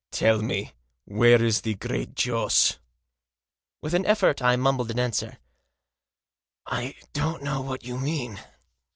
" Tell me, where is the Great Joss ?" With an effort I mumbled an answer. " I don't know what you mean."